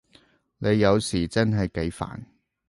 你有時真係幾煩